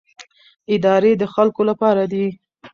ادارې د خلکو لپاره دي